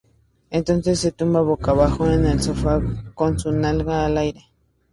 Entonces se tumba boca abajo en el sofá con su nalgas al aire.